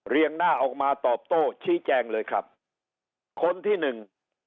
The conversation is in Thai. เรียงหน้าออกมาตอบโต้ชี้แจงเลยครับคนที่หนึ่ง